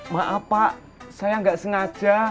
maaf pak saya nggak sengaja